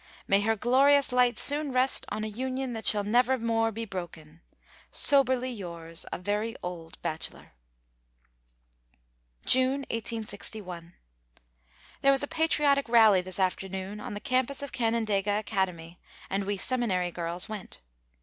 May her glorious light soon rest on a Union that shall never more be broken. Soberly yours, A Very Old Bachelor." June, 1861. There was a patriotic rally this afternoon on the campus of Canandaigua Academy and we Seminary girls went.